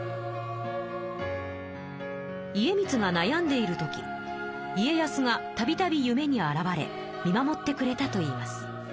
家光がなやんでいる時家康がたびたび夢に現れ見守ってくれたといいます。